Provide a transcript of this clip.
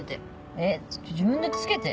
えっ自分でつけて。